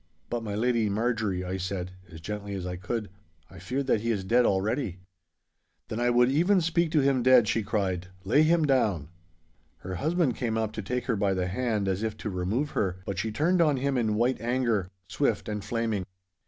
'But, my lady Marjorie,' I said, as gently as I could, 'I fear that he is dead already.' 'Then I would even speak to him dead,' she cried. 'Lay him down!' Her husband came up to take her by the hand as if to remove her, but she turned on him in white anger, swift and flaming.